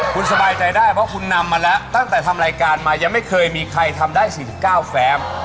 คุณสบายใจได้เพราะคุณนำมาแล้วตั้งแต่ทำรายการมายังไม่เคยมีใครทำได้๔๙แฟม